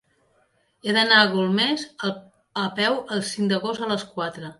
He d'anar a Golmés a peu el cinc d'agost a les quatre.